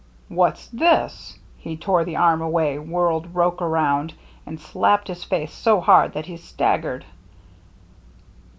"What's this ?" He tore the arm away, whirled Roche around, and slapped his face so hard that he staggered.